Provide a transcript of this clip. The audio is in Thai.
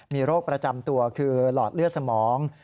มีโรคประจำตัวคือหลอดเลือดสมอง